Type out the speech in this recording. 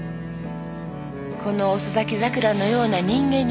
この遅咲き桜のような人間になればいいの。